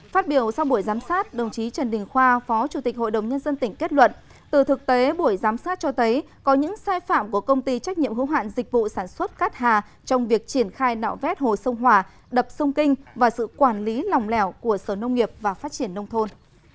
phát biểu sau buổi giám sát đồng chí trần đình khoa phó chủ tịch hội đồng nhân dân tỉnh kết luận từ thực tế buổi giám sát cho thấy có những sai phạm của công ty trách nhiệm hữu hạn dịch vụ sản xuất cát hà trong việc triển khai nạo vét hồ sông hòa đập sông kinh và sự quản lý lòng lẻo của sở nông nghiệp và phát triển nông thôn